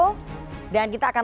dan kita akan lanjutkan